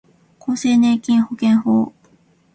厚生年金保険法